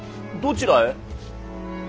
どちらへ。